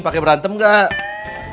pakai berantem gak